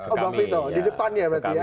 oh bang vito di depannya berarti ya